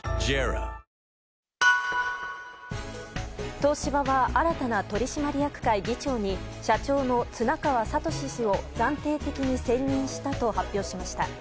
東芝は新たな取締役会議長に社長の綱川智氏を暫定的に選任したと発表しました。